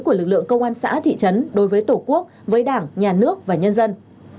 của lực lượng công an xã thị trấn đối với tổ quốc với đảng nhà nước và nhân dân